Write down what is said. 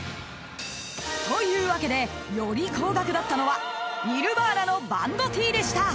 ［というわけでより高額だったのはニルヴァーナのバンドＴでした］